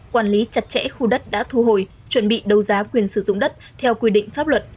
quản lý chặt chẽ khu đất đã thu hồi chuẩn bị đấu giá quyền sử dụng đất theo quy định pháp luật